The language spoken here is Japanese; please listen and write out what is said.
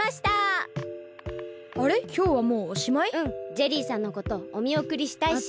ジェリーさんのことおみおくりしたいし。